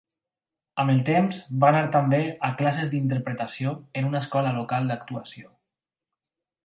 Amb el temps va anar també a classes d'interpretació en una escola local d'actuació.